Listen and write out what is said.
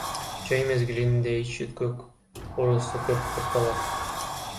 Жай мезгилинде ич өткөк оорусу көп катталат.